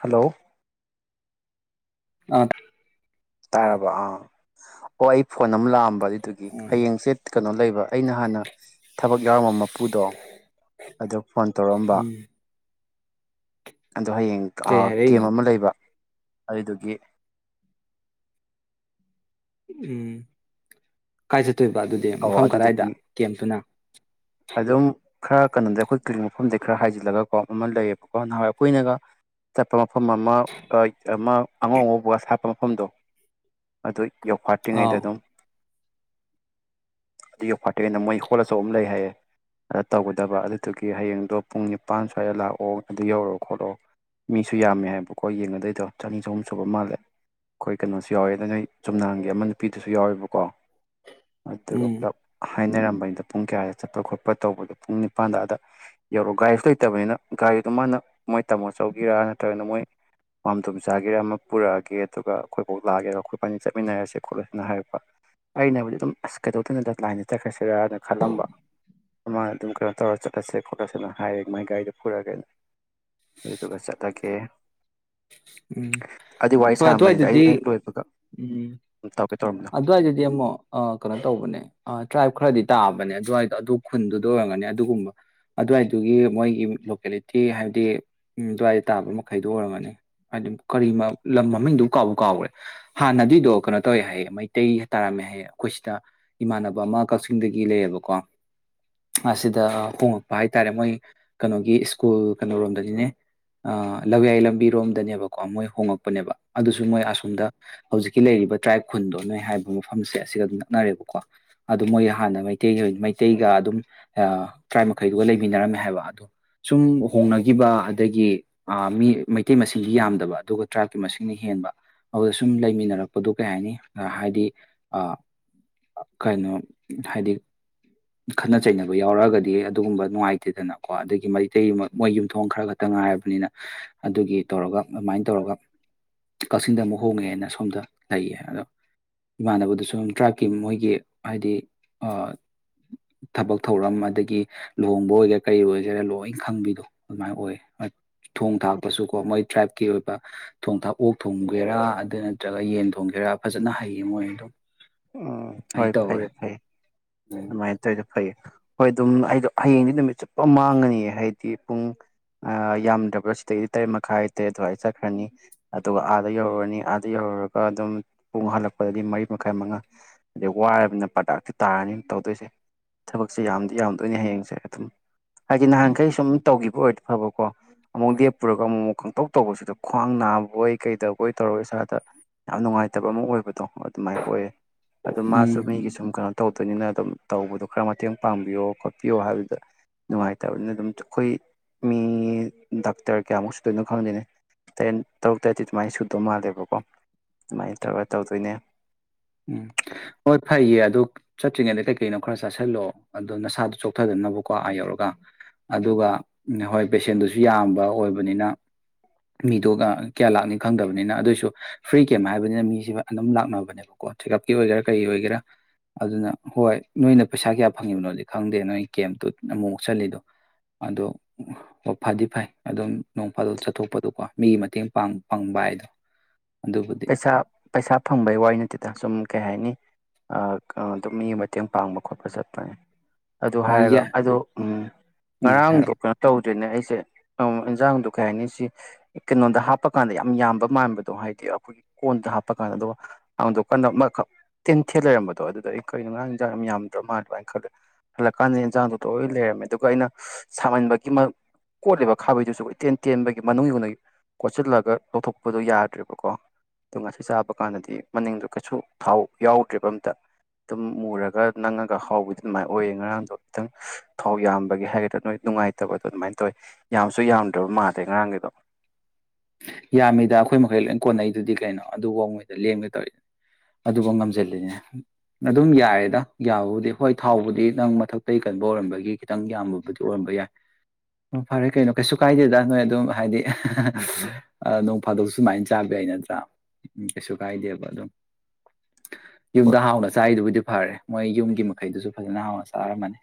hello ꯑꯥ ꯇꯥꯔꯕ ꯑꯥ ꯑꯣ ꯑꯩ ꯐꯣꯟ ꯑꯃ ꯂꯥꯛꯑꯝꯕ ꯑꯗꯨꯏ ꯑꯗꯨꯒꯤ ꯎꯝ ꯍꯌꯦꯡꯁꯦ ꯀꯩꯅꯣ ꯂꯩꯕ ꯑꯩꯅ ꯍꯥꯟꯅ ꯊꯕꯛ ꯌꯥꯎꯔꯝꯕ ꯃ ꯄꯨꯗꯣ ꯑꯗꯨ ꯐꯣꯟ ꯇꯧꯔꯛꯑꯝꯕ ꯎꯝ ꯑꯗꯣ ꯍꯌꯦꯡ ꯀꯩ ꯀꯦꯝ ꯍꯥꯏꯔꯛꯏꯅꯣ ꯑꯃ ꯂꯩꯕ ꯑꯗꯨꯗꯨꯒꯤ ꯎꯝ ꯀꯥꯏ ꯆꯠ ꯇꯣꯏꯕ ꯑꯗꯨꯗꯤ ꯑꯧ ꯃꯐꯝ ꯀꯗꯥꯏꯗ ꯑꯗꯨꯗꯨꯒꯤ ꯀꯦꯝꯇꯨꯅ ꯑꯗꯨꯝ ꯈꯔ ꯀꯩꯅꯣꯗ ꯑꯩꯈꯣꯏ ꯀ꯭ꯂꯤꯅꯤꯛ ꯃꯐꯝꯗꯩ ꯍꯥꯏꯖꯤꯜꯂꯒ ꯀꯣ ꯑꯃ ꯂꯩꯌꯦꯕꯀꯣ ꯅꯍꯥꯟꯋꯥꯏ ꯑꯩꯈꯣꯏꯅꯒ ꯆꯠꯄ ꯃꯐꯝ ꯑꯃ ꯑ ꯑꯃ ꯑꯉꯧ ꯑꯉꯧꯕꯒ ꯁꯥꯠꯄ ꯃꯐꯝꯗꯣ ꯑꯗꯨꯏ ꯌꯧꯐꯥꯠꯇ꯭ꯔꯤꯉꯩꯗ ꯑꯥꯎ ꯑꯗꯨꯝ ꯑꯗꯨ ꯌꯧꯐꯥꯠꯇ꯭ꯔꯤꯉꯩꯗ ꯃꯣꯏ ꯍꯣꯜ ꯑꯆꯧꯕ ꯑꯃ ꯂꯩ ꯍꯥꯏꯌꯦ ꯑꯗꯨ ꯇꯧꯒꯗꯕ ꯑꯗꯨꯗꯨꯒꯤ ꯍꯌꯦꯡꯗꯣ ꯄꯨꯡ ꯅꯤꯄꯥꯟ ꯁ꯭ꯋꯥꯏꯗ ꯂꯥꯛꯑꯣ ꯑꯗꯨ ꯌꯧꯔꯛꯑꯣ ꯈꯣꯠꯂꯣ ꯃꯤꯁꯨ ꯌꯥꯝꯃꯦ ꯍꯥꯏꯕꯀꯣ ꯌꯦꯡꯅꯗꯨꯏꯗꯣ ꯆꯅꯤ ꯆꯍꯨꯝ ꯁꯨꯕ ꯃꯥꯜꯂꯦ ꯑꯩꯈꯣꯏ ꯀꯩꯅꯣꯁꯨ ꯌꯥꯎꯋꯦ ꯑꯗꯨꯅ ꯆꯨꯝꯅ ꯍꯪꯒꯦ ꯑꯃ ꯅꯨꯄꯤꯗꯨꯁꯨ ꯌꯥꯎꯋꯦꯕ ꯀꯣ ꯎꯝ [unintelligible] ꯍꯥꯏꯅꯔꯝꯕꯅꯤꯗ ꯄꯨꯡ ꯀꯌꯥꯗ ꯆꯠꯄ ꯈꯣꯠꯄ ꯇꯧꯕꯗꯣ ꯄꯨꯡ ꯅꯤꯄꯥꯟꯗ ꯑꯗ ꯌꯧꯔꯛꯑꯣ ꯒꯥꯔꯤꯁꯨ ꯂꯩꯇꯕꯅꯤꯅ ꯒꯥꯔꯤꯗꯣ ꯃꯥꯅ ꯃꯣꯏ ꯇꯥꯃꯣ ꯆꯧꯒꯤꯔꯥ ꯅꯠꯇ꯭ꯔꯒꯅ ꯃꯣꯏ ꯄꯥꯝꯗꯣꯝ ꯆꯥꯒꯤꯔꯥ ꯑꯃ ꯄꯨꯔꯛꯑꯒꯦ ꯑꯗꯨꯒ ꯑꯩꯈꯣꯏꯐꯥꯎ ꯂꯥꯛꯑꯒꯦ ꯑꯩꯈꯣꯏꯄꯅꯤ ꯆꯠꯃꯤꯟꯅꯔꯁꯦ ꯈꯣꯠꯂꯁꯦꯅ ꯍꯥꯏꯔꯛꯄ ꯑꯩꯅ ꯕꯨꯗꯤ ꯑꯗꯨꯝ ꯑꯁ ꯀꯩꯗꯧꯗꯨꯅꯣꯗ ꯂꯥꯏꯟꯗ ꯆꯠꯈ꯭ꯔꯥꯁꯦ [unintelligible] ꯈꯜꯂꯝꯕ ꯃꯥꯅ ꯑꯗꯨꯝ ꯀꯩꯅꯣ ꯇꯧꯔ ꯆꯠꯂꯁꯦ ꯈꯣꯠꯂꯁꯦ ꯑꯗꯨ ꯍꯥꯏꯔꯦ ꯃꯥꯏ ꯒꯥꯔꯤꯗꯣ ꯄꯨꯔꯛꯑꯒꯦꯅ ꯑꯗꯨꯗꯨꯒ ꯆꯠꯂꯒꯦ ꯎꯝ ꯑꯗꯨꯏ ꯋꯥꯔꯤ ꯍꯣꯏ ꯁꯥꯔꯝꯕꯅꯤꯗ ꯑꯩ ꯑꯗ꯭ꯋꯥꯏꯗꯗꯤ ꯍꯦꯛ ꯂꯣꯏꯕꯒ ꯎꯝ ꯇꯧꯒꯦ ꯇꯧꯔꯝꯕꯅꯣ ꯑꯗ꯭ꯋꯥꯏꯗꯗꯤ ꯑꯃꯨꯨꯛ ꯑ ꯀꯅꯣ ꯇꯧꯕꯅꯦ ꯑ ꯇ꯭ꯔꯥꯏꯞ ꯈꯔꯗꯤ ꯇꯥꯕꯅꯦ ꯑꯗꯨꯋꯥꯏꯗꯣ ꯑꯗꯨ ꯈꯨꯟꯗꯨꯗ ꯑꯣꯏꯔꯝꯒꯅꯤ ꯑꯗꯨꯒꯨꯝꯕ ꯑꯗꯨꯋꯥꯏꯗꯨꯒꯤ ꯃꯣꯏꯒꯤ ꯂꯣꯀꯦꯂꯤꯇꯤ ꯍꯥꯏꯕꯗꯤ ꯑꯗꯨꯋꯥꯏꯗ ꯇꯥꯕ ꯃꯈꯩꯗꯣ ꯑꯣꯏꯔꯝꯒꯅꯤ ꯍꯥꯏꯗꯤ ꯀꯔꯤ ꯂꯝ ꯃꯃꯤꯡꯗꯨꯕꯨ ꯀꯥꯎꯕꯨ ꯀꯥꯎꯒ꯭ꯔꯦ ꯍꯥꯟꯅꯑꯗꯨꯏꯗꯣ ꯀꯩꯅꯣ ꯇꯧꯋꯦ ꯍꯥꯏꯌꯦ ꯃꯩꯇꯩ ꯇꯥꯔꯝꯃꯦ ꯍꯥꯏꯌꯦ ꯑꯩꯈꯣꯏ ꯁꯤꯗ ꯏꯃꯥꯟꯅꯕ ꯑꯃ ꯀꯥꯛꯆꯤꯡꯗꯒꯤ ꯂꯩꯌꯦꯕꯀꯣ ꯑꯁꯤꯗ ꯍꯣꯉꯛꯄ ꯍꯥꯏꯇꯥꯔꯦ ꯃꯣꯏ ꯀꯩꯅꯣꯒꯤ ꯁ꯭ꯀꯨꯜ ꯀꯩꯅꯣꯔꯣꯝꯗꯒꯤꯅꯦ ꯑꯥ ꯂꯧꯌꯥꯏ ꯂꯝꯕꯤꯔꯣꯝꯗꯅꯦꯕꯀꯣ ꯃꯣꯏ ꯍꯣꯉꯛꯄꯅꯦꯕ ꯑꯗꯨꯁꯨ ꯃꯣꯏ ꯑꯁꯣꯝꯗ ꯍꯧꯖꯤꯛꯀꯤ ꯂꯩꯔꯤꯕ ꯇ꯭ꯔꯥꯏꯞ ꯈꯨꯟꯗꯣ ꯅꯣꯏ ꯍꯥꯏꯕ ꯃꯐꯝꯁꯦ ꯑꯁꯤꯒ ꯑꯗꯨꯝ ꯅꯛꯅꯔꯦꯕꯀꯣ ꯑꯗꯣ ꯃꯣꯏ ꯍꯥꯟꯅ ꯃꯩꯇꯩꯒꯤ ꯃꯩꯇꯩꯒ ꯑꯗꯨꯝ ꯑꯥ ꯇ꯭ꯔꯥꯏꯞ ꯃꯈꯩꯗꯨꯒ ꯂꯩꯃꯤꯟꯅꯔꯝꯃꯦ ꯍꯥꯏꯕ ꯑꯗꯣ ꯁꯨꯝ ꯍꯣꯡꯅꯈꯤꯕ ꯑꯗꯒꯤ ꯑꯥ ꯃꯤ ꯃꯩꯇꯩ ꯃꯁꯤꯡꯗꯤ ꯌꯥꯝꯗꯕ ꯑꯗꯨꯒ ꯇ꯭ꯔꯥꯏꯞꯀꯤ ꯃꯁꯤꯡꯅ ꯍꯦꯟꯕ ꯑꯗꯨꯗ ꯁꯨꯝ ꯂꯩꯃꯤꯟꯅꯔꯛꯄꯗꯣ ꯀꯩ ꯍꯥꯏꯅꯤ ꯍꯥꯏꯗꯤ ꯑ ꯀꯩꯅꯣ ꯍꯥꯏꯗꯤ ꯈꯠꯅ ꯆꯩꯅꯕ ꯌꯥꯎꯔꯛꯑꯒꯗꯤ ꯑꯗꯨꯒꯨꯝꯕ ꯅꯨꯡꯉꯥꯏꯇꯦꯗꯅꯀꯣ ꯑꯗꯒꯤ ꯃꯩꯇꯩ ꯃꯣꯏ ꯌꯨꯝꯊꯣꯡ ꯈꯔ ꯈꯛꯇ ꯉꯥꯏꯔꯕꯅꯤꯅ ꯑꯗꯨꯒꯤ ꯇꯧꯔꯒ ꯑꯗꯨꯃꯥꯏꯅ ꯇꯧꯔꯒ ꯀꯥꯛꯆꯤꯡꯗ ꯑꯃꯨꯛ ꯍꯣꯡꯉꯦꯅ ꯁꯣꯝꯗ ꯂꯩꯌꯦ ꯑꯗꯣ ꯏꯃꯥꯟꯅꯕꯗꯨꯁꯨ ꯇ꯭ꯔꯥꯏꯞꯀꯤ ꯃꯣꯏꯒꯤ ꯍꯥꯏꯗꯤ ꯑ ꯊꯕꯛ ꯊꯧꯔꯝ ꯑꯗꯒꯤ ꯂꯨꯍꯣꯡꯕ ꯑꯣꯏꯒꯦꯔꯥ ꯀꯔꯤ ꯑꯣꯏꯒꯦꯔꯥ ꯂꯣꯏ ꯈꯪꯕꯤꯗꯣ ꯑꯗꯨꯃꯥꯏꯅ ꯑꯣꯏ ꯊꯣꯡ ꯊꯥꯛꯄꯁꯨ ꯀꯣ ꯃꯣꯏ ꯇ꯭ꯔꯥꯏꯞꯀꯤ ꯑ ꯊꯣꯡ ꯊꯥꯛꯄ ꯑꯣꯛ ꯊꯣꯡꯒꯦꯔꯥ ꯑꯗꯨ ꯅꯠꯇ꯭ꯔꯒ ꯌꯦꯟ ꯊꯣꯡꯒꯦꯔꯥ ꯐꯖꯅ ꯍꯩꯌꯦ ꯃꯣꯏ ꯑꯗꯣ ꯎꯝ ꯍꯣꯏ ꯐꯩꯌꯦ ꯐꯩꯌꯦ ꯎꯝ ꯑꯗꯨꯃꯥꯏ ꯇꯧꯏꯗꯣ ꯐꯩ ꯍꯣꯏ ꯑꯗꯨꯝ ꯑꯩꯗꯣ ꯍꯌꯦꯡꯗꯤ ꯅꯨꯃꯤꯠ ꯆꯨꯞꯄ ꯃꯥꯡꯉꯅꯤ ꯍꯥꯏꯗꯤ ꯄꯨꯡ ꯌꯥꯝꯗ꯭ꯔꯥꯕꯗ ꯁꯤꯗꯒꯤꯗꯤ ꯇꯔꯦꯠ ꯃꯈꯥꯏ ꯇꯔꯦꯠ ꯑꯗꯨꯋꯥꯏꯗ ꯆꯠꯈ꯭ꯔꯥꯅꯤ ꯑꯗꯨꯒ ꯑꯥꯗ ꯌꯧꯔꯨꯔꯅꯤ ꯑꯥꯗ ꯌꯧꯔꯨꯔꯒ ꯑꯗꯨꯝ ꯄꯨꯡ ꯍꯜꯂꯛꯄꯗꯗꯤ ꯃꯔꯤ ꯃꯈꯥꯏ ꯃꯉꯥ ꯑꯗꯩ ꯋꯥꯔꯕꯅꯤꯅ ꯄ꯭ꯔꯗꯥꯛꯇꯤ ꯇꯥꯔꯅꯤ ꯇꯧꯗꯣꯏꯁꯦ ꯊꯕꯛꯁꯦ ꯌꯥꯝꯗꯤ ꯌꯥꯝꯗꯣꯏꯅꯦ ꯍꯌꯦꯡꯁꯦ ꯑꯗꯨꯝ ꯍꯥꯏꯗꯤ ꯅꯍꯥꯟꯈꯩ ꯁꯨꯝ ꯇꯧꯈꯤꯕ ꯑꯣꯏꯔꯗꯤ ꯐꯕꯀꯣ ꯑꯃꯨꯛ ꯂꯦꯞꯄꯔꯒ ꯑꯃꯨꯛ ꯑꯃꯨꯛ ꯀꯪꯇꯧ ꯇꯧꯕꯁꯤꯗ ꯈ꯭ꯋꯥꯡ ꯅꯥꯕꯣꯏ ꯀꯩꯗꯕꯣꯏ ꯇꯧꯔ ꯏꯁꯥꯗ ꯌꯥꯝ ꯅꯨꯡꯉꯥꯏꯇꯕ ꯑꯃ ꯑꯣꯏꯕꯗꯣ ꯑꯗꯨꯃꯥꯏꯅ ꯑꯣꯏꯌꯦ ꯑꯗꯣ ꯃꯥꯁꯨ ꯎꯝ ꯃꯤꯒꯤ ꯁꯨꯝ ꯀꯩꯅꯣ ꯇꯧꯗꯣꯏꯅꯤꯅ ꯑꯗꯨꯝ ꯇꯧꯕꯗꯣ ꯈꯔ ꯃꯇꯦꯡ ꯄꯥꯡꯕꯤꯌꯣ ꯈꯣꯠꯄꯤꯌꯣ ꯍꯥꯏꯕꯗꯨꯗ ꯅꯨꯡꯉꯥꯏꯇꯕꯅꯤꯅ ꯑꯗꯨꯝ ꯑꯩꯈꯣꯏ ꯃꯤ ꯗꯥꯛꯇꯔ ꯀꯌꯥꯃꯨꯛ ꯁꯨꯗꯣꯏꯅꯣ ꯈꯪꯗꯣꯏꯅꯦ ꯇꯔꯦꯠ ꯇꯔꯨꯛ ꯇꯔꯦꯠꯇꯤ ꯑꯗꯨꯃꯥꯏꯅ ꯁꯨꯗꯧ ꯃꯥꯜꯂꯦꯕꯀꯣ ꯑꯗꯨꯃꯥꯏꯅ ꯇꯧꯔꯒ ꯇꯧꯗꯣꯏꯅꯦ ꯎꯝ ꯍꯣꯏ ꯐꯩꯌꯦ ꯑꯗꯨ ꯆꯠꯇ꯭ꯔꯤꯉꯩꯗ ꯀꯩꯀꯩꯅꯣ ꯈꯔ ꯆꯥꯁꯤꯜꯂꯣ ꯑꯗꯣ ꯅꯁꯥꯗꯣ ꯆꯣꯛꯊꯗꯅꯕꯀꯣ ꯑꯥ ꯌꯧꯔꯒ ꯑꯗꯨꯒ ꯍꯣꯏ ꯄꯦꯁꯦꯟꯗꯨꯁꯨ ꯌꯥꯝꯕ ꯑꯣꯏꯕꯅꯤꯅ ꯃꯤꯗꯣ ꯀꯌꯥ ꯂꯥꯛꯅꯤ ꯈꯪꯗꯕꯅꯤꯅ ꯑꯗꯨꯑꯣꯏꯁꯨ ꯐ꯭ꯔꯤ ꯀꯦꯝ ꯍꯥꯏꯕꯅꯤꯅ ꯃꯤꯁꯤꯦ ꯑꯗꯨꯝ ꯂꯥꯛꯅꯕꯅꯦꯕ ꯀꯣ ꯆꯦꯛꯑꯞꯀꯤ ꯑꯣꯏꯒꯦꯔꯥ ꯀꯩ ꯑꯣꯏꯒꯦꯔꯥ ꯑꯗꯨꯅ ꯍꯣꯏ ꯅꯣꯏꯅ ꯄꯩꯁꯥ ꯀꯌꯥ ꯐꯪꯉꯤꯕꯅꯣꯗꯤ ꯈꯪꯗꯦ ꯅꯣꯏ ꯀꯦꯞꯇꯨ ꯑꯃꯨꯛꯃꯨꯛ ꯆꯂꯤꯗꯣ ꯑꯗꯣ ꯐꯗꯤ ꯐꯩ ꯑꯗꯨꯝ ꯅꯣꯡ ꯐꯥꯗꯣꯛ ꯆꯠꯊꯣꯛꯄꯗꯣꯀꯣ ꯃꯤꯒꯤ ꯃꯇꯦꯡ ꯄꯥꯡ ꯄꯥꯡꯕ ꯍꯥꯏꯗꯣ ꯑꯗꯨꯕꯨꯗꯤ ꯄꯩꯁꯥ ꯄꯩꯁꯥ ꯐꯪꯕꯩ ꯋꯥꯏꯅꯠ ꯑꯗꯨꯗ ꯁꯨꯝ ꯀꯩ ꯍꯥꯏꯅꯤ ꯑꯗꯨꯝ ꯃꯤ ꯃꯇꯦꯡ ꯄꯥꯡꯕ ꯈꯣꯠꯄ ꯆꯠꯄꯅꯦ ꯑꯗꯨ ꯍꯣꯏ ꯍꯥꯏꯔꯒ ꯌꯥꯏ ꯑꯗꯣ ꯎ ꯎꯝ ꯉꯔꯥꯡꯗꯣ ꯍꯥꯏꯔꯛꯑꯣ ꯀꯩꯅꯣ ꯇꯧ ꯑꯗꯨꯅꯦ ꯑꯩꯁꯦ ꯏꯟꯖꯥꯡꯗꯣ ꯀꯩ ꯍꯥꯏꯅꯤ ꯁꯤ ꯀꯩꯅꯣꯗ ꯍꯥꯞꯄ ꯀꯥꯟꯗ ꯌꯥꯝ ꯌꯥꯝꯕ ꯃꯥꯟꯕꯗꯣ ꯍꯥꯏꯗꯤ ꯑꯩꯈꯣꯏꯒꯤ ꯀꯣꯟꯗ ꯍꯥꯞꯄ ꯀꯥꯟꯗ ꯑꯗꯨꯒ ꯑꯉꯥꯡꯗꯣ ꯀꯟꯅ ꯇꯦꯟꯊꯦꯜ ꯂꯩꯔꯝꯕꯗꯣ ꯑꯗꯨꯗ ꯑꯩ ꯀꯩꯅꯣꯔꯥꯡ ꯌꯦꯟꯖꯥꯡ ꯌꯥꯝ ꯌꯥꯝꯗ꯭ꯔꯣ ꯃꯥꯜꯂ꯭ꯔꯣ ꯍꯥꯏꯅ ꯈꯜꯂꯦ ꯍꯜꯂꯛꯀꯥꯟꯗ ꯏꯟꯖꯥꯡꯗꯣ ꯂꯣꯏ ꯂꯩꯔꯝꯃꯦ ꯑꯗꯨꯒ ꯑꯩꯅ ꯁꯥꯃꯟꯕꯒꯤ ꯑꯝ ꯀꯣꯠꯂꯤꯕ ꯈꯥꯕꯩꯗꯨꯁꯨ ꯑꯩꯈꯣꯏ ꯇꯦꯟ ꯇꯦꯟꯕꯒꯤ ꯃꯅꯨꯡ ꯀꯣꯠꯁꯤꯜꯂꯒ ꯂꯧꯊꯣꯛꯄꯗꯣ ꯌꯥꯗ꯭ꯔꯦꯕꯀꯣ ꯑꯗꯣ ꯉꯁꯤ ꯆꯥꯕ ꯀꯥꯟꯗꯗꯤ ꯃꯅꯤꯡꯗꯣ ꯀꯩꯁꯨ ꯊꯥꯎ ꯌꯥꯎꯗ꯭ꯔꯤꯕ ꯑꯝꯇ ꯑꯗꯨꯝ ꯃꯨꯔꯒ ꯅꯪꯉꯒ ꯍꯥꯎꯕꯗꯤ ꯑꯗꯨꯃꯥꯏꯅ ꯑꯣꯏꯌꯦ ꯉꯔꯥꯡꯗꯣ ꯈꯤꯇꯪ ꯊꯥꯎ ꯌꯥꯝꯕꯒꯤ ꯍꯥꯏꯒꯗ꯭ꯔꯥ ꯅꯣꯏ ꯅꯨꯡꯉꯥꯏꯇꯕꯗꯣ ꯑꯗꯨꯃꯥꯏꯅ ꯇꯧꯑꯦ ꯌꯥꯝꯁꯨ ꯌꯥꯝꯗ꯭ꯔꯕ ꯃꯥꯗꯦ ꯉꯔꯥꯡꯒꯤꯗꯣ ꯌꯥꯝꯃꯤꯗ ꯑꯩꯈꯣꯏ ꯃꯈꯩ ꯂꯣꯏ ꯀꯣꯟꯅꯩꯗꯨꯗꯤ ꯀꯩꯅꯣ ꯑꯗꯨꯐꯧꯉꯩꯗ ꯂꯦꯡꯒꯦ ꯇꯧꯔꯤ ꯑꯗꯨꯕꯨ ꯉꯝꯁꯤꯜꯂꯤꯅꯦ ꯑꯗꯨꯝ ꯌꯥꯔꯦꯗ ꯌꯥꯕꯕꯨꯗꯤ ꯍꯣꯏ ꯊꯥꯎꯕꯨꯗꯤ ꯅꯪ ꯃꯊꯛꯇꯒꯤ ꯀꯟꯕ ꯑꯣꯏꯔꯝꯕꯒꯤ ꯈꯤꯇꯪ ꯌꯥꯝꯕꯕꯨꯗꯤ ꯑꯣꯏꯔꯝꯕ ꯌꯥꯏ ꯐꯔꯦ ꯀꯩꯅꯣ ꯀꯩꯁꯨ ꯀꯥꯏꯗꯦꯗ ꯅꯣꯏ ꯑꯗꯨꯝ ꯍꯥꯏꯗꯤ ꯅꯣꯡ ꯐꯥꯗꯣꯛ ꯁꯨꯃꯥꯏꯅ ꯆꯥꯕ ꯌꯥꯏ ꯅꯠꯇ꯭ꯔꯥ ꯎꯝ ꯀꯩꯁꯨ ꯀꯥꯏꯗꯦꯕ ꯑꯗꯨꯝ ꯌꯨꯝꯗ ꯍꯥꯎꯅ ꯆꯥꯔꯤꯗꯨꯕꯨꯗꯤ ꯐꯔꯦ ꯃꯣꯏ ꯌꯨꯝꯒꯤ ꯃꯈꯩꯗꯨꯁꯨ ꯐꯖꯅ ꯍꯥꯎꯅ ꯆꯥꯔꯝꯃꯅꯤ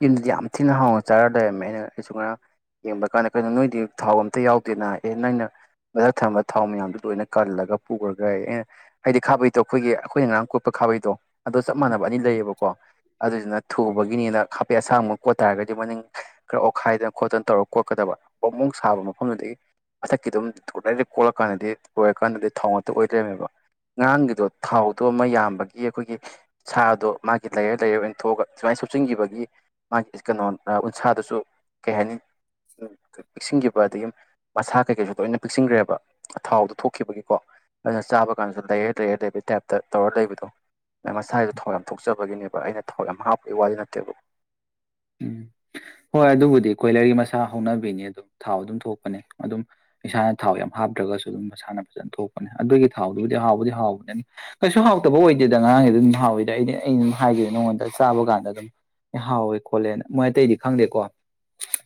ꯌꯨꯝꯗꯨꯗꯤ ꯌꯥꯝ ꯊꯤꯅ ꯍꯥꯎꯅ ꯆꯥꯔ ꯂꯩꯔꯝꯃꯦ ꯑꯩꯅ ꯑꯩꯁꯨ ꯉꯥꯏꯔ ꯌꯦꯡꯕ ꯀꯥꯟꯗ ꯀꯩꯅꯣ ꯅꯣꯏꯗꯤ ꯊꯥꯎ ꯑꯝꯇ ꯌꯥꯎꯗꯦꯅ ꯑꯦ ꯅꯣꯏꯅ ꯃꯊꯛ ꯊꯝꯝꯕ ꯊꯥꯎ ꯃꯌꯥꯝꯗꯨꯣ ꯂꯣꯏꯅ ꯀꯜꯂꯒ ꯄꯨꯈꯒ ꯑꯩꯅ ꯍꯥꯏꯗꯤ ꯈꯥꯕꯩꯗꯣ ꯑꯩꯈꯣꯏꯒꯤ ꯑꯩꯈꯣꯏꯅ ꯉꯔꯥꯡ ꯀꯣꯠꯄ ꯈꯥꯕꯩꯗꯣ ꯑꯗꯣ ꯆꯞ ꯃꯥꯟꯅꯕ ꯑꯅꯤ ꯂꯩꯌꯦꯕꯀꯣ ꯑꯗꯨꯗꯨꯅ ꯊꯨꯕꯒꯤꯅꯤꯅ ꯑꯦ ꯑꯁꯥꯡꯕ ꯀꯣꯠ ꯇꯥꯔꯒꯗꯤ ꯃꯅꯤꯡ ꯈꯔ ꯑꯣꯠꯈꯥꯏꯗꯅ ꯈꯣꯠꯇꯅ ꯇꯧꯔꯒ ꯀꯣꯠꯀꯗꯕ ꯕꯣꯡꯕꯣꯡ ꯁꯥꯕ ꯃꯐꯝꯗꯨꯗꯒꯤ ꯃꯊꯛꯀꯤ ꯑꯗꯨꯝꯂ ꯀꯣꯠꯂꯀꯥꯟꯗꯗꯤ ꯂꯣꯏꯔꯀꯥꯟꯗꯗꯤ ꯊꯥꯎ ꯉꯥꯛꯇ ꯑꯣꯏꯗ꯭ꯔꯅꯦꯕ ꯉꯥꯡꯒꯤꯗꯣ ꯊꯥꯎꯗꯣ ꯑꯃ ꯌꯥꯝꯕꯒꯤ ꯑꯩꯈꯣꯏꯒꯤ ꯁꯥꯗꯣ ꯃꯥꯒꯤ ꯂꯩꯔ ꯂꯩꯔ ꯑꯣꯏꯅ ꯊꯣꯛꯑꯒ ꯁꯨꯃꯥꯏꯅ ꯁꯨꯞꯆꯤꯟꯈꯤꯕꯒꯤ ꯄꯦ ꯃꯥꯒꯤ ꯀꯩꯅꯣ ꯎꯟꯁꯥꯗꯁꯨ ꯀꯩ ꯍꯥꯏꯅꯤ ꯄꯤꯛꯁꯤꯟꯈꯤꯕ ꯑꯗꯒꯤ ꯃꯁꯥ ꯀꯩꯀꯩꯁꯨ ꯂꯣꯏꯅ ꯄꯤꯛꯁꯤꯟꯈ꯭ꯔꯦꯕ ꯊꯥꯎꯗꯣ ꯊꯣꯛꯈꯤꯕꯒꯤꯀꯣ ꯑꯗꯨꯅ ꯆꯥꯕ ꯀꯥꯟꯗꯁꯨ ꯂꯩꯔ ꯂꯩꯔꯦ ꯂꯩꯕꯒꯤ ꯇꯥꯏꯞꯇ ꯇꯧꯔ ꯂꯩꯕꯗꯣ ꯑ ꯃꯁꯥꯁꯤꯗ ꯊꯥꯎ ꯌꯥꯝ ꯊꯣꯛꯆꯕꯒꯤꯅꯦꯕ ꯑꯩꯅ ꯊꯥꯎ ꯌꯥꯝ ꯍꯥꯞꯄꯒꯤ ꯋꯥꯗꯤ ꯅꯠꯇꯦꯕ ꯎꯝ ꯍꯣꯏ ꯑꯗꯨꯕꯨꯗꯤ ꯀꯣꯏꯂꯔꯒꯤ ꯃꯁꯥ ꯍꯧꯥꯎꯅꯕꯤꯅꯤ ꯑꯗꯨꯝ ꯊꯥꯎ ꯑꯗꯨꯝ ꯊꯣꯛꯄꯅꯦ ꯑꯗꯨꯝ ꯏꯁꯥꯅ ꯊꯥꯎ ꯌꯥꯝ ꯍꯥꯞꯇ꯭ꯔꯒꯁꯨ ꯑꯗꯨꯝ ꯃꯁꯥꯅ ꯐꯖꯅ ꯊꯣꯛꯄꯅꯦ ꯑꯗꯨꯒꯤ ꯊꯥꯎꯗꯨꯕꯨꯗꯤ ꯍꯥꯎꯕꯗꯤ ꯍꯥꯎꯕꯅꯦ ꯀꯩꯁꯨ ꯍꯥꯎꯇꯕ ꯑꯣꯏꯗꯦꯗ ꯉꯔꯥꯡꯒꯤꯗꯤ ꯑꯗꯨꯝ ꯍꯥꯎꯋꯤꯗ ꯑꯩꯗꯤ ꯑꯩꯩꯅ ꯑꯗꯨꯝ ꯍꯥꯏꯒꯦ ꯅꯉꯣꯟꯗ ꯆꯥꯕ ꯀꯥꯟꯗ ꯑꯗꯨꯝ ꯍꯥꯎꯋꯦ ꯈꯣꯠꯂꯦꯅ ꯃꯣꯏ ꯑꯇꯩꯗꯤ ꯈꯪꯗꯦꯀꯣ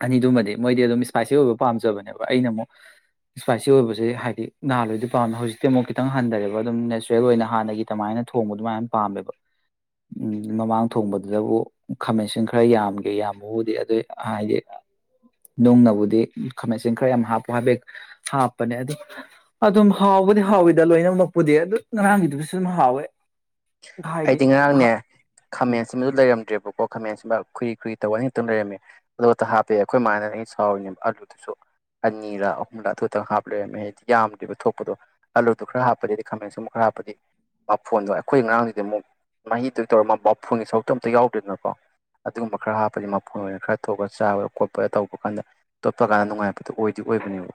ꯑꯅꯤꯗꯨꯃꯗꯤ ꯃꯣꯏꯗꯤ ꯑꯗꯨꯝ ꯏꯁꯄꯥꯏꯁꯤ ꯑꯣꯏꯕ ꯄꯥꯝꯖꯕꯅꯦꯕ ꯑꯩꯅ ꯑꯃꯨꯛ ꯏꯁꯄꯥꯏꯁꯤ ꯑꯣꯏꯕꯁꯦ ꯍꯥꯏꯗꯤ ꯅꯍꯥꯟꯋꯥꯣꯏꯗꯤ ꯄꯥꯝꯃꯦ ꯍꯧꯖꯤꯛꯇꯤ ꯑꯃꯨꯛ ꯈꯤꯇꯪ ꯍꯟꯊꯔꯦꯕ ꯑꯗꯨꯝ ꯅꯦꯆꯔꯦꯜ ꯑꯣꯏꯅ ꯍꯥꯟꯅꯒꯤ ꯀꯃꯥꯏꯅ ꯊꯣꯡꯕꯗꯨ ꯃꯥꯏꯅ ꯄꯥꯝꯃꯦꯕ ꯃꯃꯥꯡ ꯊꯣꯡꯕꯗꯨꯗꯕꯨ ꯈꯥꯃꯦꯟꯁꯤꯟ ꯈ ꯈꯔ ꯌꯥꯝꯒꯦ ꯌꯥꯝꯕꯕꯨꯗꯤ ꯑꯗꯨ ꯍꯥꯏꯗꯤ ꯅꯨꯡꯅꯕꯨꯗꯤ ꯈꯥꯃꯦꯟ ꯑꯁꯤ ꯈꯔ ꯌꯥꯝ ꯍꯥꯞꯄꯨ ꯍꯥꯏꯐꯦꯦꯛ ꯍꯥꯞꯄꯅꯦ ꯑꯗꯨ ꯑꯗꯨꯝ ꯍꯥꯎꯕꯗꯤ ꯍꯥꯎꯋꯤꯗ ꯂꯣꯏꯅꯃꯛꯄꯨꯗꯤ ꯑꯗꯨ ꯉꯔꯥꯡꯒꯤꯗꯨꯕꯨꯁꯨ ꯑꯗꯨꯝ ꯍꯥꯎꯋꯦ ꯍꯥꯏꯗꯤ ꯑꯩꯗꯤ ꯉꯔꯥꯡꯅꯦ ꯎꯝ ꯈꯥꯃꯦꯟꯁꯤꯃꯗꯨ ꯂꯩꯔꯝꯗ꯭ꯔ ꯑꯀꯣ ꯈꯥꯃꯦꯟꯁꯤꯃ ꯈꯨꯔꯤ ꯈꯨꯨꯏꯔꯤ ꯇꯧ ꯑꯅꯤꯛꯇꯪ ꯂꯩꯔꯝꯃꯦ ꯑꯗꯨ ꯑ ꯍꯥꯞꯄꯦ ꯑꯩꯈꯣꯏ ꯃꯃꯅ ꯑꯩꯅ ꯁꯥꯎꯔꯤꯅꯦꯕ ꯑꯥꯂꯨꯗꯨꯁꯨ ꯑꯅꯤꯔꯥ ꯑꯍꯨꯝꯂ ꯑꯗꯨꯗꯪ ꯍꯥꯞꯄ ꯂꯩꯔꯝꯃꯦ ꯍꯥꯏꯗꯤ ꯌꯥꯝꯗꯕ ꯊꯣꯛꯄꯗꯣ ꯑꯂꯨꯗꯨꯣ ꯈꯔ ꯍꯥꯞꯄꯗꯤ ꯍꯥꯏꯗꯤ ꯈꯥꯃꯦꯟꯁꯤ ꯑꯃꯨꯛ ꯈꯔ ꯍꯥꯞꯄꯗꯤ ꯃꯐꯣꯟꯗꯣ ꯑꯩꯈꯣꯏ ꯑ ꯉꯔꯥꯡꯗꯨꯗꯤ ꯑꯃꯨꯛ ꯃꯍꯤꯗꯨ ꯇꯧꯔꯒ ꯃꯐꯣꯟꯒꯤ ꯁꯔꯨꯛꯇꯣ ꯑꯝꯇ ꯌꯥꯎꯗꯦꯗꯅꯀꯣ ꯑꯗꯨꯒꯨꯝꯕ ꯈꯔ ꯍꯥꯞꯄꯒꯤ ꯃꯐꯨꯣꯟ ꯑꯣꯏꯅ ꯈꯔ ꯊꯣꯛꯑꯒ ꯆꯥꯕ ꯈꯣꯠꯄ ꯇꯧꯕ ꯀꯥꯟꯗ ꯇꯣꯠꯄ ꯀꯥꯟꯗ ꯅꯨꯡꯉꯥꯏꯕꯗꯨꯣ ꯑꯣꯏꯗꯤ ꯑꯣꯏꯕꯅꯦꯕ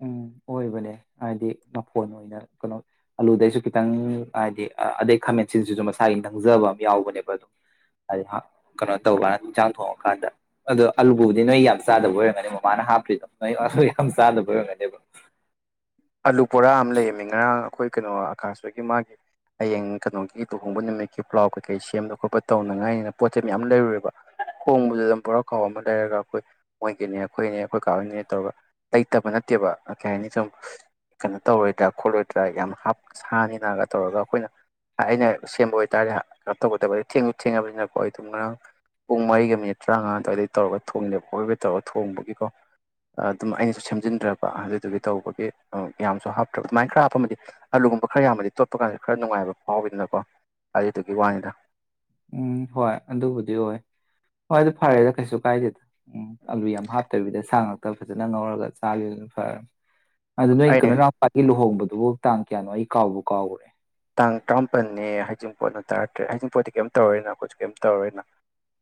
ꯎꯝ ꯑꯣꯏꯕꯅꯦ ꯍꯥꯏꯗꯤ ꯅꯐꯣꯟ ꯑꯣꯏꯅ ꯀꯩꯅꯣ ꯑꯂꯨꯗꯩꯁꯨ ꯈꯤꯇꯪ ꯍꯥꯏꯗꯤ ꯑꯗꯩ ꯈꯥꯃꯦꯟꯁꯤꯁꯤꯁꯨ ꯃꯁꯥꯒꯤ ꯈꯪꯖꯕ ꯑꯃ ꯌꯥꯎꯕꯅꯦꯕ ꯑꯗꯨꯝ ꯍꯥꯏꯗꯤ ꯀꯩꯅꯣ ꯇꯧꯀꯥꯟꯗ ꯍꯟꯖꯥꯡ ꯊꯣꯡꯉꯀꯥꯟꯗ ꯑꯗꯣ ꯑꯜꯂꯨꯕꯨꯗꯤ ꯅꯣꯏ ꯌꯥꯝ ꯆꯥꯗꯕ ꯑꯣꯏꯔꯝꯒꯅꯤ ꯃꯃꯥꯅ ꯍꯥꯞꯇ꯭ꯔꯤꯗꯣ ꯅꯣꯏ ꯑꯂꯨ ꯌꯥꯝ ꯆꯥꯗꯕ ꯑꯣꯏꯔꯃꯒꯅꯤꯕ ꯑꯥꯂꯨ ꯕꯣꯔꯥ ꯑꯃ ꯂꯩꯔꯝꯃꯤ ꯉꯔꯥꯡ ꯑꯩꯈꯣꯏ ꯀꯩꯅꯣ ꯑꯀꯥꯁꯇꯒꯤ ꯃꯥꯒꯤ ꯍꯌꯦꯡ ꯀꯩꯅꯣꯒꯤ ꯇꯨꯍꯣꯡꯕ ꯅꯨꯃꯤꯠꯀꯤ ꯄ꯭ꯂꯥꯎ ꯀꯩꯀꯩ ꯁꯦꯝꯕ ꯈꯣꯠꯄ ꯇꯧꯅꯉꯥꯏꯅꯤꯅ ꯄꯣꯠꯁꯦ ꯃꯌꯥꯝ ꯂꯩꯔꯨꯔꯦꯕ ꯍꯣꯡꯕꯗꯨꯗ ꯕꯣꯔꯥ ꯈꯥꯎ ꯑꯃ ꯂꯩꯔꯒ ꯑꯩꯈꯣꯏ ꯃꯣꯏꯒꯤꯅꯦ ꯑꯩꯈꯣꯏꯅꯦ ꯑꯩꯈꯣꯏ ꯀꯥꯞꯅꯦ ꯇꯧꯔꯒ ꯂꯩꯇꯕ ꯅꯠꯇꯦꯕ ꯀꯩ ꯍꯥꯏꯅꯤ ꯁꯨ ꯀꯩꯅꯣ ꯇꯧꯔꯣꯏꯗ꯭ꯔꯥ ꯈꯣꯠꯂꯣꯏꯗ꯭ꯔꯥ ꯌꯥꯝ ꯍꯥꯞ ꯁꯥꯅꯤꯅꯒ ꯇꯧꯔꯒ ꯑꯩꯈꯣꯏꯅ ꯑꯩꯅ ꯁꯦꯝꯕ ꯑꯣꯏꯇꯥꯥꯔꯦꯩꯅꯣ ꯇꯧꯒꯗꯕ ꯊꯦꯡꯁꯨ ꯊꯦꯡꯅꯕꯅꯤꯅꯀꯣ ꯑꯩꯗꯣ ꯉꯔꯥꯡ ꯄꯨꯡ ꯃꯔꯤꯒ ꯃꯤꯅꯤꯠ ꯇꯔꯥꯃꯉꯥ ꯑꯗꯨꯋꯥꯏꯗꯩ ꯇꯧꯔꯒ ꯊꯣꯡꯉꯦꯕ ꯑꯩꯣꯏꯕ ꯇꯧꯔꯒ ꯊꯣꯡꯕꯒꯤꯀꯣ ꯑꯗꯨꯝ ꯑꯩꯅꯁꯨ ꯁꯦꯝꯖꯤꯟꯗ꯭ꯔꯀ ꯑꯗꯨꯗꯨꯒꯤ ꯇꯧꯕꯒꯤ ꯌꯥꯝꯁꯨ ꯍꯥꯞꯇ꯭ꯔꯕ ꯑꯗꯨꯃꯥꯏꯅ ꯈꯔ ꯍꯥꯞꯄꯃꯗꯤ ꯑꯥꯂꯨꯒꯨꯝꯕ ꯈꯔ ꯌꯥꯝꯕꯗꯤ ꯇꯣꯠꯄ ꯀꯥꯟꯗ ꯈꯔ ꯅꯨꯡꯉꯥꯏꯕ ꯐꯥꯎꯋꯤꯗꯅꯀꯣ ꯑꯗꯨꯗꯨꯒꯤ ꯋꯥꯅꯤꯗ ꯎꯝ ꯍꯣꯏ ꯑꯗꯨꯕꯨꯗꯤ ꯑꯣꯏ ꯍꯣꯏ ꯑꯗꯨ ꯐꯔꯦꯗ ꯀꯩꯁꯨ ꯀꯥꯏꯗꯦꯗ ꯎꯝ ꯑꯥꯂꯨ ꯌꯥꯝ ꯍꯥꯞꯇꯕꯤꯗ ꯁꯥ ꯉꯥꯛꯇ ꯐꯖꯅ ꯉꯧꯔꯒ ꯆꯥꯒꯗꯨꯅ ꯐꯔꯕꯅꯤ ꯑꯗꯨ ꯅꯣꯏ ꯀꯩꯅꯣ ꯑꯩꯅ ꯅꯄꯥꯒꯤ ꯂꯨꯣꯡꯕꯣ ꯑꯗꯨꯐꯥꯎ ꯇꯥꯡ ꯀꯌꯥꯅꯣ ꯑꯩ ꯀꯥꯎꯕ ꯀꯥꯎꯈ꯭ꯔꯦ ꯇꯥꯡ ꯇꯔꯥꯃꯥꯄꯜꯅꯦ ꯍꯥꯏꯖꯤꯡꯄꯣꯠꯅ ꯇꯥꯔꯠꯇ꯭ꯔꯦ ꯍꯖꯤꯡꯄꯣꯠꯇꯤ ꯀꯩꯝꯇ ꯇꯧꯔꯣꯏꯅ ꯑꯩꯈꯣꯏꯁꯨ ꯀꯩꯝꯇ ꯇꯧꯔꯣꯏꯅ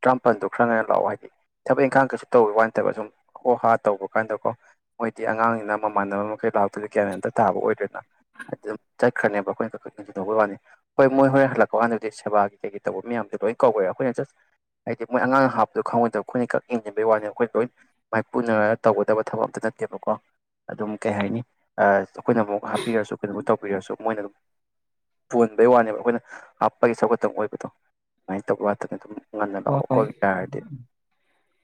ꯇꯔꯥꯃꯥꯄꯜꯗꯣ ꯈꯔ ꯉꯟꯅ ꯂꯥꯛꯑꯣ ꯍꯥꯏꯗꯤ ꯊꯕꯛ ꯏꯪꯈꯥꯡ ꯀꯩꯁꯨ ꯇꯧꯋꯤ ꯋꯥ ꯅꯠꯇꯕ ꯁꯨꯝ ꯍꯣ ꯍꯥ ꯇꯧꯕ ꯀꯥꯟꯗꯀꯣ ꯃꯣꯏꯗꯤ ꯑꯉꯥꯡꯅꯤꯅ ꯃꯃꯥꯟꯅꯕ ꯃꯈꯩ ꯂꯥꯛꯄꯗ ꯒꯌꯥꯟ ꯑꯝꯇ ꯇꯥꯕ ꯑꯣꯏꯗꯣꯏꯗꯅ ꯑꯗꯨꯃ ꯆꯠ ꯈꯅꯦꯕ ꯑꯩꯈꯣꯏ ꯇꯧꯕ ꯋꯥꯅꯤ ꯍꯣꯏ ꯃꯣꯏ ꯍꯣꯔꯦꯟ ꯍꯜꯂꯛꯄ ꯀꯥꯟꯗꯗꯤ ꯁꯦꯕꯥꯒꯤ ꯀꯩ ꯇꯧꯕ ꯃꯌꯥꯝꯁꯣ ꯂꯣꯏ ꯀꯧꯋꯦ ꯑꯩꯈꯣꯏꯅ ꯖꯁ ꯍꯥꯏꯗꯤ ꯃꯣꯏ ꯑꯉꯥꯡꯅ ꯍꯥꯞꯄꯗꯣ ꯈꯪꯉꯣꯏꯗꯕ ꯑꯩꯈꯣꯏꯅ ꯀꯛ ꯏꯡꯁꯤꯟꯕꯩ ꯋꯥꯅꯤ ꯑꯩꯈꯣꯏ ꯂꯣꯏ ꯃꯥꯏꯄꯨꯅꯔꯒ ꯇꯧꯒꯗꯕ ꯊꯕꯛ ꯑꯝꯇ ꯅꯠꯇꯦꯕꯀꯣ ꯑꯗꯨꯝ ꯀꯩ ꯍꯥꯏꯅꯤ ꯑꯩꯈꯣꯏꯅ ꯑꯃꯨꯛꯞꯄꯤꯔ ꯀꯩꯅꯣꯃ ꯇꯧꯕꯤꯔꯁꯨ ꯃꯣꯏꯒ ꯄꯣꯟꯕꯩ ꯋꯥꯅꯦꯕ ꯑꯩꯈꯣꯏꯅ ꯍꯥꯞꯄꯒꯤ ꯁꯧꯈꯠꯇꯪ ꯑꯣꯏꯕꯗꯣ ꯑꯗꯨꯃꯥꯏꯅ ꯇꯧꯕ ꯋꯥꯇꯅ ꯑꯗꯨꯝ ꯉꯟꯅ ꯍꯣꯏ ꯂꯥꯛꯑꯣ ꯀꯣ ꯍꯣꯏ ꯌꯥꯔꯗꯤ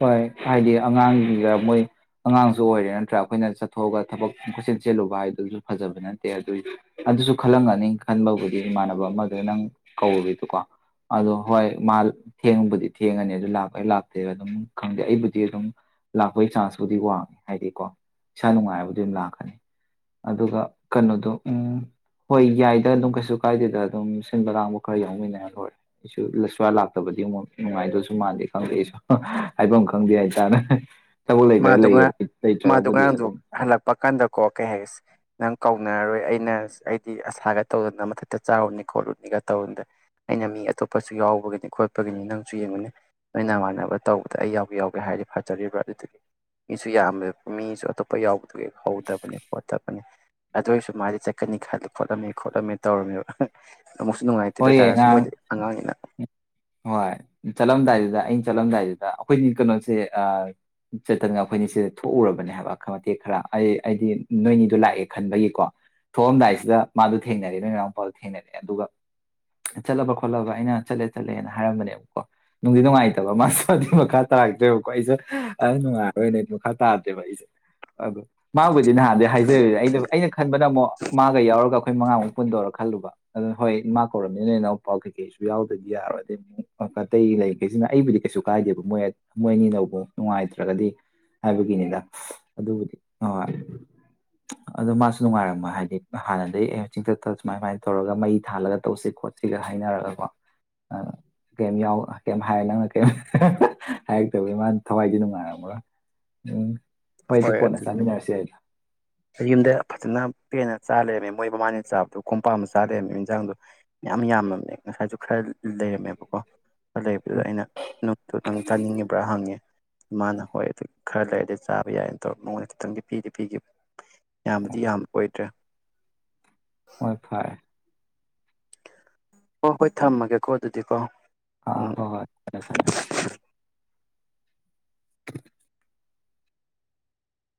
ꯍꯣꯏ ꯍꯥꯏꯗꯤ ꯑꯉꯥꯡꯒꯤꯒ ꯃꯣꯏ ꯑꯉꯥꯡꯁꯨ ꯑꯣꯏꯔꯦ ꯅꯠꯇ꯭ꯔꯥ ꯑꯩꯈꯣꯏꯅ ꯆꯠꯊꯣꯛꯑꯒ ꯊꯕꯛ ꯈꯨꯠꯆꯦꯟ ꯆꯦꯜꯂꯨꯕ ꯍꯥꯏꯗꯨꯁꯨ ꯐꯖꯕ ꯅꯠꯇꯦ ꯑꯗꯨ ꯑꯗꯨꯁꯨ ꯈꯜꯂꯝꯒꯅꯤ ꯈꯟꯕꯕꯨꯗꯤ ꯏꯃꯥꯟꯅꯕ ꯑꯃꯗ ꯅꯪ ꯀꯧꯔꯤꯗꯨꯀꯣ ꯑꯗꯣ ꯍꯣꯏ ꯃꯥ ꯊꯦꯡꯕꯨꯗꯤ ꯊꯦꯡꯉꯅꯤ ꯑꯗꯨ ꯂꯥꯛꯄ ꯑꯩ ꯂꯥꯛꯇꯦ ꯑꯗꯨꯝ ꯈꯪꯗꯦ ꯑꯩꯕꯨꯗꯤ ꯑꯗꯨꯝ ꯂꯥꯛꯄꯒꯤ ꯆꯥꯟꯁꯄꯨꯗꯤ ꯋꯥꯡꯉꯦ ꯍꯥꯏꯗꯤꯀꯣ ꯏꯁꯥ ꯅꯨꯡꯉꯥꯏꯕꯨꯗꯤ ꯑꯗꯨꯝ ꯂꯥꯛꯀꯅꯤ ꯑꯗꯨꯒ ꯀꯩꯅꯣꯗꯣ ꯎꯝ ꯍꯣꯏ ꯌꯥꯏꯗ ꯑꯗꯨꯝ ꯀꯩꯁꯨ ꯀꯥꯏꯗꯦꯗ ꯑꯗꯨꯝ ꯁꯤꯟꯕ ꯂꯥꯡꯕ ꯈꯔ ꯌꯥꯎꯃꯤꯟꯅꯔ ꯂꯣꯏꯔꯦ ꯑꯩꯁꯨ ꯁ ꯂꯥꯛꯇ ꯐꯠꯇꯕꯗꯤ ꯑꯃꯨꯛ ꯅꯨꯡꯉꯥꯏꯗꯁꯨ ꯃꯥꯟꯗꯦ ꯈꯪꯗ ꯑꯩꯁꯨ ꯍꯥꯏꯐꯝ ꯈꯪꯗꯦ ꯍꯥꯏꯇꯥꯔꯦ ꯊꯕꯛ ꯂꯩꯈ꯭ꯔ ꯃꯥꯗꯣ ꯂꯩꯌꯦ ꯉꯔꯥꯡ ꯃꯗꯣ ꯂꯩꯇ꯭ꯔꯒꯕꯨꯗꯤ ꯉꯥꯡꯗꯣ ꯑꯗꯨꯝ ꯍꯜꯂꯛꯄ ꯀꯥꯟꯗ ꯀꯣ ꯀꯩ ꯍꯥꯏꯒꯦ ꯅꯪ ꯀꯧꯅꯔꯔꯣꯏ ꯑꯩꯅ ꯑꯩꯗꯤ ꯑꯁꯥꯒ ꯇꯧꯗꯅ ꯃꯊꯛꯇ ꯆꯥꯔꯨꯅꯤ ꯈꯣꯠꯂꯨꯅꯤꯒ ꯇꯧꯗꯗ ꯑꯩꯅ ꯃꯤ ꯑꯇꯣꯞꯄꯁꯨ ꯌꯥꯎꯕꯒꯤꯅꯤ ꯈꯣꯠꯄꯒꯤꯅꯤ ꯅꯪꯁꯨ ꯌꯦꯡꯉꯨꯅꯦ ꯅꯣꯏ ꯅꯃꯥꯟꯅꯕ ꯇꯧꯕꯗ ꯑꯩ ꯌꯥꯎꯒꯦ ꯌꯥꯎꯒꯦ ꯍꯥꯏꯔꯗꯤ ꯐꯖꯔꯤꯕ꯭ꯔꯥ ꯑꯗꯨꯗꯨꯒꯤ ꯃꯤꯁꯨ ꯌꯥꯝꯕ ꯃꯤꯁꯨ ꯑꯇꯣꯞꯄ ꯌꯥꯎꯕꯗꯨꯒꯤ ꯍꯧꯗꯕꯅꯤ ꯈꯣꯠꯇꯕꯅꯤ ꯑꯗꯨ ꯑꯣꯏꯁꯨ ꯃꯥꯗꯤ ꯆꯠꯀꯅꯤ ꯈꯜꯂꯤ ꯈꯣꯠꯂꯝꯃꯤ ꯈꯣꯠꯂꯝꯃꯤ ꯇꯧꯔꯝꯃꯦꯕ ꯑꯃꯨꯛꯁꯨ ꯅꯨꯡꯉꯥꯏꯇꯦ ꯍꯣꯏꯌꯦ ꯑꯗꯨꯏꯇꯥꯔꯁꯨ ꯉꯔꯥꯡ ꯃꯣꯏꯗꯤ ꯑꯉꯥꯡꯅꯤꯅ ꯍꯣꯏ ꯆꯠꯂꯝꯗꯥꯏꯗꯨꯗ ꯑꯩꯅ ꯆꯠꯂꯝꯗꯥꯏꯗꯨꯗ ꯑꯩꯈꯣꯏꯒꯤ ꯀꯅꯣꯁꯦ ꯑ ꯆꯦꯇꯟꯒ ꯑꯩꯈꯣꯏꯅꯤꯁꯦ ꯊꯣꯛꯎꯔꯕꯅꯦ ꯍꯥꯏꯕ ꯃꯇꯦꯛ ꯈꯔ ꯑꯩ ꯑꯩꯗꯤ ꯅꯣꯏꯅꯤꯗꯣ ꯂꯥꯛꯑꯦ ꯈꯟꯕꯒꯤꯀꯣ ꯊꯣꯛꯑꯝꯗꯥꯏꯁꯤꯗ ꯃꯥꯗꯣ ꯊꯦꯡꯅꯔꯦ ꯅꯣꯏ ꯅꯅꯥꯎꯄꯥꯗꯣ ꯊꯦꯡꯅꯔꯦ ꯑꯗꯨꯒ ꯆꯠꯂꯕ ꯈꯣꯠꯂꯕ ꯑꯩꯅ ꯆꯠꯂꯦ ꯆꯠꯂꯦꯅ ꯍꯥꯏꯔꯝꯕꯅꯦꯕꯀꯣ ꯅꯨꯡꯗꯤ ꯅꯨꯡꯉꯥꯏꯇꯕ ꯃꯥꯁꯨ ꯑꯗꯨ ꯃꯈꯥ ꯇꯥꯔꯛꯇ꯭ꯔꯦꯕꯀꯣ ꯑꯩꯖꯨ ꯅꯨꯡꯉꯥꯏꯔꯣꯏꯌꯦꯅꯗꯤ ꯃꯈꯥ ꯇꯥꯗꯦꯕ ꯑꯩꯁꯦ ꯑꯗꯣ ꯃꯥꯕꯨꯗꯤ ꯅꯍꯥꯟꯗꯩ ꯍꯥꯏꯖꯔꯦ ꯑꯩꯩꯅ ꯑꯩꯅ ꯈꯟꯕꯅ ꯑꯃꯨꯛ ꯃꯥꯒ ꯌꯥꯎꯔꯒ ꯑꯩꯈꯣꯏ ꯃꯉꯥꯃꯨꯛ ꯄꯨꯟꯗꯣꯔ ꯈꯜꯂꯨꯕ ꯑꯗꯨꯅ ꯍꯣꯏ ꯃꯥ ꯀꯧꯔꯝꯅꯤꯅ ꯅꯣꯏ ꯅꯥꯎꯄꯥ ꯀꯩꯀꯩꯁꯨ ꯌꯥꯎ ꯑꯗꯨꯗꯤ ꯌꯥꯔꯣꯏꯗ ꯑꯇꯩ ꯂꯩꯈꯩꯁꯤꯅ ꯑꯩꯕꯨꯗꯤ ꯀꯩꯁꯨ ꯀꯥꯏꯗꯦꯕ ꯃꯣꯏ ꯃꯣꯏ ꯑꯅꯤꯅꯕꯨ ꯅꯨꯡꯉꯥꯏꯇ꯭ꯔꯒꯗꯤ ꯍꯥꯏꯕꯒꯤꯅꯤꯗ ꯑꯗꯨꯕꯨꯗꯤ ꯑꯍꯣꯏ ꯑꯗꯣ ꯃꯥꯁꯨ ꯅꯨꯡꯉꯥꯏꯔꯝꯃꯣꯏ ꯍꯥꯏꯗꯤ ꯍꯥꯟꯅꯗꯩ ꯆꯤꯡꯊꯛꯇ ꯁꯨꯃꯥꯏ ꯁꯨꯃꯥꯏꯅ ꯇꯧꯔꯒ ꯃꯩ ꯊꯥꯜꯂꯒ ꯇꯧꯁꯤ ꯈꯣꯠꯁꯤꯒ ꯍꯥꯏꯅꯔꯒꯀꯣ ꯑ ꯀꯩꯝ ꯌꯥꯎꯔꯣꯏ ꯀꯩꯝ ꯍꯥꯏꯔꯣꯏ ꯅꯪꯅ ꯀꯩꯝ ꯍꯥꯏꯔꯛꯇꯕꯒꯤ ꯃꯥ ꯊꯋꯥꯏꯗꯤ ꯅꯨꯡꯉꯥꯏꯔꯝꯃꯔꯣꯏ ꯎꯝ ꯍꯣꯏꯗ ꯍꯣꯏ ꯀꯣꯟꯅ ꯑꯗꯨꯅꯦ ꯆꯥꯃꯤꯟꯅꯔꯁꯤ ꯌꯥꯏꯗ ꯑꯩ ꯌꯨꯝꯗ ꯐꯖꯅ ꯄꯦꯅ ꯆꯥ ꯂꯩꯔꯝꯃꯦ ꯃꯣꯏ ꯃꯃꯥꯅ ꯆꯥꯕꯗꯣ ꯀꯣꯝꯄꯥꯛ ꯑꯃ ꯆꯥ ꯂꯩꯔꯝꯃꯦ ꯏꯟꯖꯥꯡꯗꯣ ꯃꯌꯥꯝ ꯌꯥꯝꯃꯕꯅꯦ ꯉꯁꯥꯏꯁꯨ ꯈꯔ ꯂꯩꯔꯝꯃꯦꯕꯀꯣ ꯂꯩꯕꯗꯨꯗ ꯑꯩꯅ ꯅꯨꯞꯇꯣ ꯅꯪ ꯆꯥꯅꯤꯡꯉꯤꯕ꯭ꯔꯥ ꯍꯪꯉꯦ ꯃꯥꯅ ꯍꯣꯏ ꯗꯨ ꯈꯔ ꯂꯩꯔꯗꯤ ꯆꯥꯕ ꯌꯥꯏꯅ ꯇꯧꯔ ꯃꯉꯣꯟꯗ ꯈꯤꯇꯪꯗꯤ ꯄꯤꯗꯤ ꯄꯤꯒꯤꯕ ꯌꯥꯝꯕꯨꯗꯤ ꯌꯥꯝꯕ ꯑꯣꯏꯗ꯭ꯔꯦ ꯍꯣꯏ ꯐꯔꯦ ꯍꯣꯍꯣꯏ ꯊꯝꯃꯒꯦꯀꯣ ꯑꯗꯨꯗꯤꯀꯣ ꯑꯥ ꯎꯝ ꯍꯣꯏ ꯍꯣꯏ ꯀꯣꯟꯅ ꯁꯥꯟꯅꯔꯁꯤ